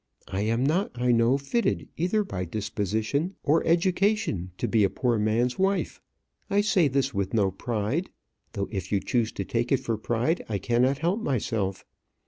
I am not, I know, fitted, either by disposition or education, to be a poor man's wife. I say this with no pride; though if you choose to take it for pride, I cannot help myself.